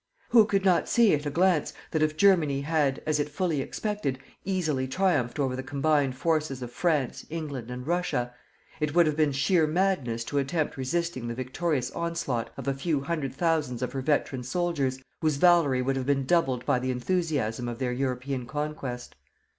Who could not see, at a glance, that if Germany had, as it fully expected, easily triumphed over the combined forces of France, England and Russia, it would have been sheer madness to attempt resisting the victorious onslaught of a few hundred thousands of her veteran soldiers, whose valour would have been doubled by the enthusiasm of their European conquest.